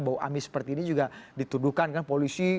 bau amis seperti ini juga dituduhkan kan polisi